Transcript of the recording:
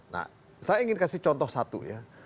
nah saya ingin kasih contoh satu ya